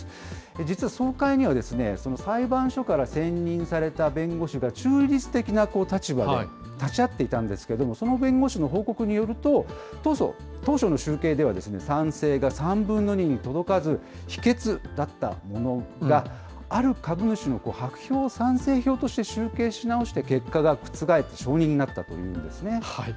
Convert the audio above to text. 実は総会には、裁判所から選任された弁護士が、中立的な立場で立ち会っていたんですけれども、その弁護士の報告によると、当初の集計では、賛成が３分の２に届かず、否決だったものが、ある株主の白票を賛成票に集計し直して結果が覆って承認になったということなんですね。